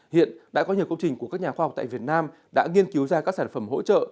hiện đã có nhiều công trình của các nhà khoa học tại việt nam đã nghiên cứu ra các sản phẩm hỗ trợ